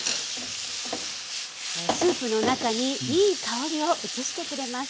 スープの中にいい香りを移してくれます。